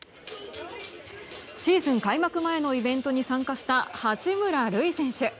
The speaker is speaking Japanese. シーズン開幕前のイベントに参加した八村塁選手。